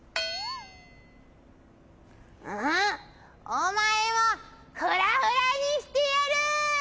おまえもフラフラにしてやる！